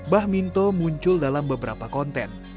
bah minto muncul dalam beberapa konten